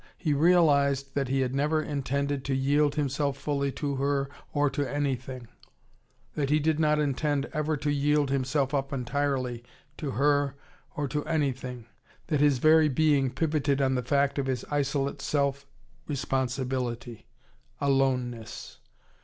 He realised that he had never intended to yield himself fully to her or to anything: that he did not intend ever to yield himself up entirely to her or to anything: that his very being pivoted on the fact of his isolate self responsibility, aloneness.